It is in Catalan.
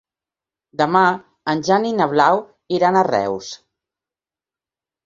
Demà en Jan i na Blau iran a Reus.